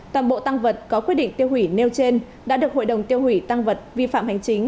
toàn bộ tăng vật có quyết định tiêu hủy nêu trên đã được hội đồng tiêu hủy tăng vật vi phạm hành chính